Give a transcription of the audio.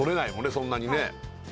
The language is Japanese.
そんなにね